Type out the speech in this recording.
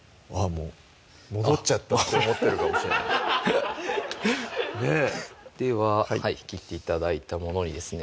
もう戻っちゃったと思ってるかもしれないねぇでは切って頂いたものにですね